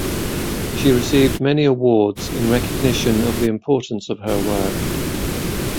She received many awards in recognition of the importance of her work.